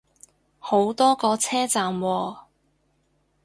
好多個車站喎